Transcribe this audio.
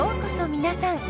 皆さん。